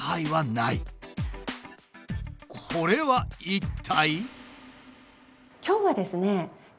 これは一体。